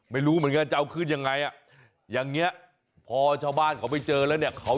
ไม่รู้เหมือนกันจะเอาขึ้นยังไงอ่ะอย่างนี้พอชาวบ้านเขาไปเจอแล้วเนี่ยเขา